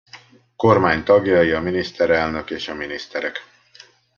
Kormány tagjai a miniszterelnök és a miniszterek.